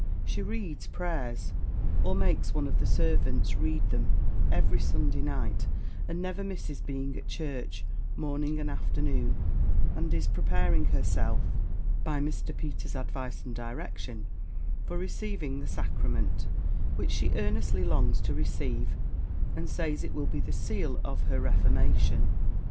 She reads prayers, or makes one of the servants read them, every Sunday night; and never misses being at church, morning and afternoon; and is preparing herself, by Mr. Peters's advice and direction, for receiving the sacrament; which she earnestly longs to receive, and says it will be the seal of her reformation.